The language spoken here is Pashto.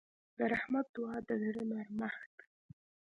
د رحمت دعا د زړه نرمښت ده.